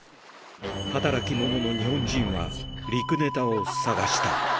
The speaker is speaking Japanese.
働き者の日本人は陸ネタを探した。